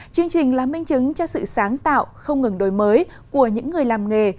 chương trình là minh chứng cho sự sáng tạo không ngừng đổi mới của những người làm nghề